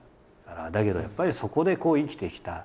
だけどやっぱりそこでこう生きてきた。